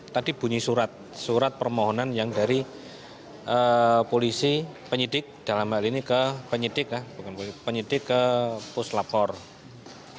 tadi bunyi surat surat permohonan yang dari polisi penyidik dalam hal ini ke penyidik ya bukan polisi penyidik ke puslapor